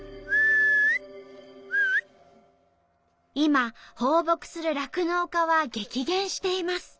今放牧する酪農家は激減しています。